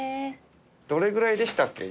どれぐらいでしたっけ